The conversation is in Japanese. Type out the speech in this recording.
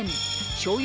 しょうゆ